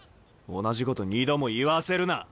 同じこと２度も言わせるな。